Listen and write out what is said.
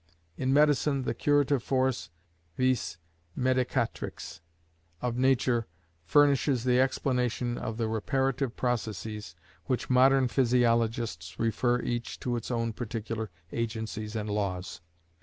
In medicine the curative force (vis medicatrix) of Nature furnishes the explanation of the reparative processes which modern physiologists refer each to its own particular agencies and laws.